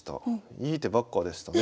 いい手ばっかでしたね。